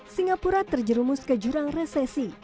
singapura terjerumus ke jurang resesi